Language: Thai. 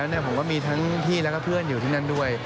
ผมก็มีทั้งพี่แล้วก็เพื่อนอยู่ที่นั่นด้วย